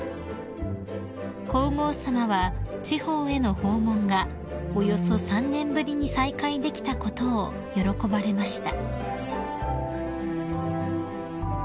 ［皇后さまは地方への訪問がおよそ３年ぶりに再開できたことを喜ばれました］